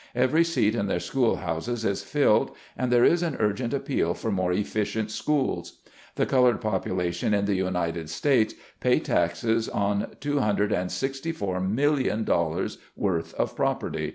Every seat in their schoolhouses is filled, and there is an urgent appeal for more efficient schools. The colored pop ulation in the United States pay taxes on $264,000, 000 worth of property.